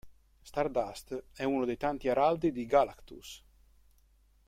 Stardust è uno dei tanti Araldi di Galactus.